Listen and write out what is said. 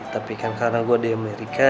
tapi kan karena gue di amerika